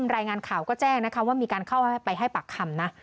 รายงานข่าวก็แจ้งนะคะว่ามีการเข้าไปให้ปากคำนะ